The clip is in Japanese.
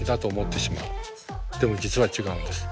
でも実は違うんです。